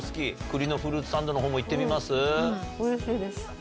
栗のフルーツサンドのほうも行ってみます？